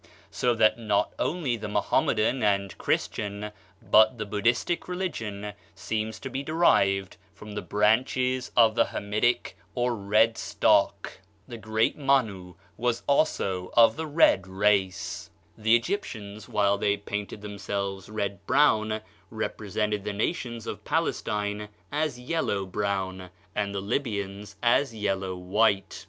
So that not only the Mohammedan and Christian but the Buddhistic religion seem to be derived from branches of the Hamitic or red stock. The great Mann was also of the red race. THE RACES OF MEN ACCORDING TO THE EGYPTIANS. The Egyptians, while they painted themselves red brown, represented the nations of Palestine as yellow brown, and the Libyans yellow white.